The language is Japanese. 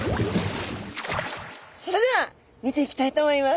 それでは見ていきたいと思います。